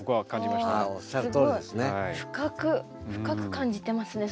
深く感じてますね